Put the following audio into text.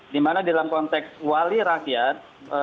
di mana dalam konteks wali rakyat